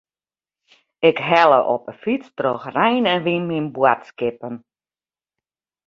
Ik helle op 'e fyts troch rein en wyn myn boadskippen.